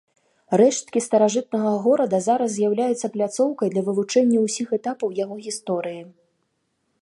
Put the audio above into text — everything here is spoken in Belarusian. Рэшткі старажытнага горада зараз з'яўляюцца пляцоўкай для вывучэння ўсіх этапаў яго гісторыі.